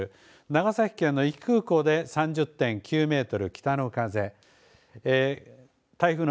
長崎県の壱岐空港で３０．９メートル、北の風。